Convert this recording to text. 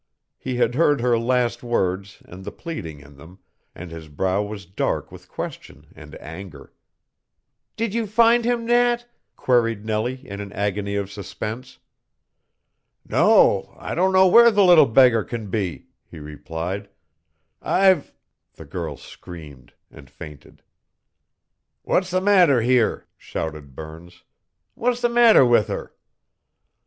He had heard her last words and the pleading in them, and his brow was dark with question and anger. "Did you find him, Nat?" queried Nellie in an agony of suspense. "No, I don't know where the little beggar can be," he replied; "I've " The girl screamed and fainted. "What's the matter here?" shouted Burns. "What's the matter with her?"